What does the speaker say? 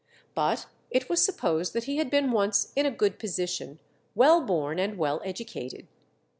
But it was supposed that he had been once in a good position, well born, and well educated.